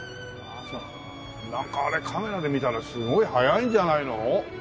なんかあれカメラで見たらすごい速いんじゃないの？